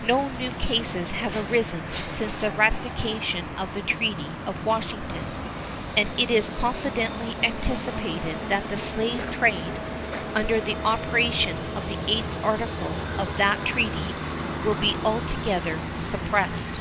No new cases have arisen since the ratification of the treaty of Washington, and it is confidently anticipated that the slave trade, under the operation of the eighth article of that treaty, will be altogether suppressed.